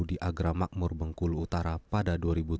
di agra makmur bengkulu utara pada dua ribu tujuh belas